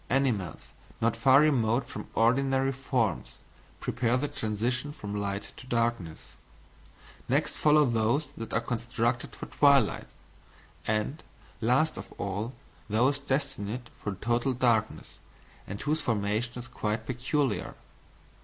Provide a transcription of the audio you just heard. Animals not far remote from ordinary forms, prepare the transition from light to darkness. Next follow those that are constructed for twilight; and, last of all, those destined for total darkness, and whose formation is quite peculiar."